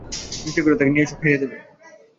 নীচের ঘরে তাঁকে নিয়ে এসো, খাইয়ে দেবে।